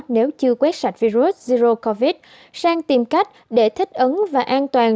nếu chưa quét sạch virus zero covid sang tìm cách để thích ứng và an toàn